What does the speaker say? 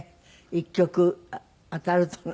１曲当たるとね。